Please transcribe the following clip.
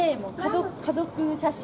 家族写真。